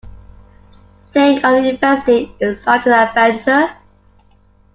Think of investing in such an adventure.